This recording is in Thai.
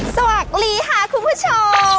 สวัสดีคุณผู้ชม